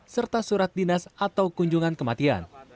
serta surat dinas atau kunjungan kematian